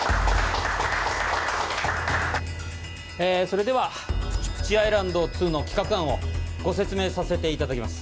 えそれではプチプチアイランド２の企画案をご説明させていただきます